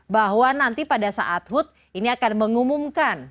bahwa nanti pada saat hut ini akan mengumumkan